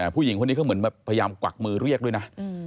ผู้หญิงคนนี้เขาเหมือนแบบพยายามกวักมือเรียกด้วยนะ